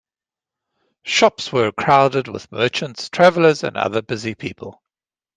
Shops were crowded with merchants, travellers and other busy people.